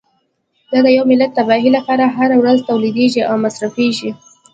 دا د یوه ملت د تباهۍ لپاره هره ورځ تولیدیږي او مصرفیږي.